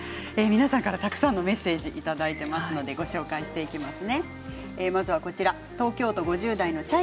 皆さんからたくさんのメッセージをいただいていますのでご紹介していきます。